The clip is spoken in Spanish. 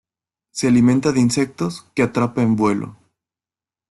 Se alimenta de insectos, que atrapa en vuelo.